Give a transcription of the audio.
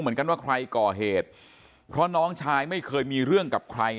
เหมือนกันว่าใครก่อเหตุเพราะน้องชายไม่เคยมีเรื่องกับใคร